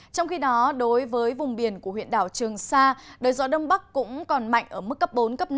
trong khi đó đối với vùng biển của huyện đảo trường sa đời gió đông bắc cũng còn mạnh ở mức cấp bốn cấp năm